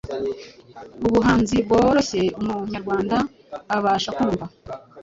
ubuhanzi bworoshye umunyarwanda abasha kumva